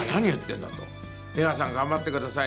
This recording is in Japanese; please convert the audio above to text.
出川さん頑張ってください